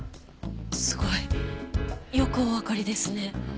すごい。よくおわかりですね。